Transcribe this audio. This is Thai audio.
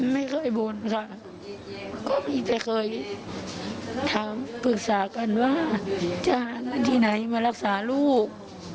ไม่เคยบ่นค่ะก็มีแต่เคยถามปรึกษากันว่าจะนั่นที่ไหนมารักษาลูก